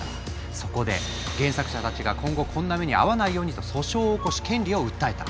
そこで原作者たちが今後こんな目に遭わないようにと訴訟を起こし権利を訴えた。